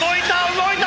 動いた！